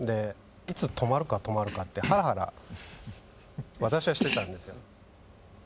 いつ止まるか止まるかってハラハラ私はしてたんですよ。